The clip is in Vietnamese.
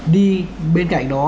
đi bên cạnh đó